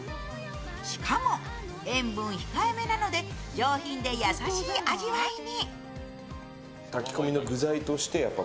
しかも塩分控えめなので上品で優しい味わいに。